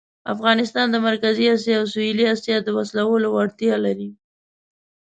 افغانستان د مرکزي آسیا او سویلي آسیا د وصلولو وړتیا لري.